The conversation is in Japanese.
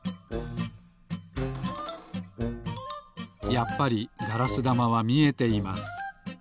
やっぱりガラスだまはみえています。